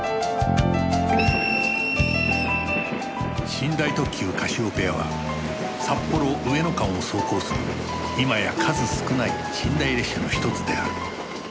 寝台特急カシオペアは札幌上野間を走行する今や数少ない寝台列車のひとつである